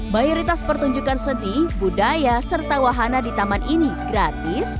mayoritas pertunjukan seni budaya serta wahana di taman ini gratis